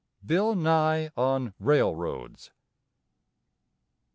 BILL NYE ON RAILROADS.